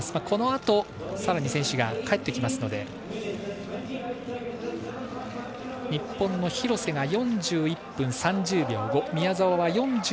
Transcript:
このあとさらに選手が帰ってきますので日本の廣瀬が４１分３０秒５宮沢は